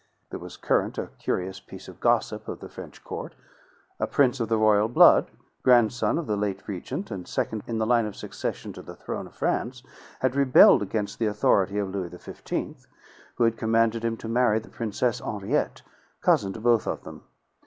There was current a curious piece of gossip of the French court: a prince of the blood royal, grandson of the late Regent and second in the line of succession to the throne of France, had rebelled against the authority of Louis XV, who had commanded him to marry the Princess Henriette, cousin to both of them.